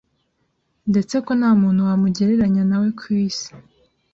ndetse ko nta muntu wamugereranya na we ku isi,